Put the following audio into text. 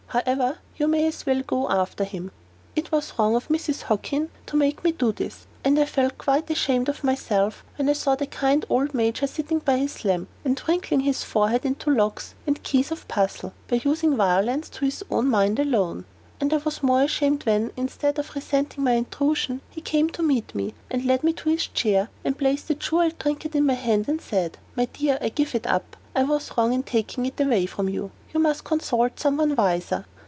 However, you may as well go after him." It was wrong of Mrs. Hockin to make me do this; and I felt quite ashamed of myself when I saw the kind old Major sitting by his lamp, and wrinkling his forehead into locks and keys of puzzle, but using violence to his own mind alone. And I was the more ashamed when, instead of resenting my intrusion, he came to meet me, and led me to his chair, and placed the jeweled trinket in my hand, and said, "My dear, I give it up. I was wrong in taking it away from you. You must consult some one wiser."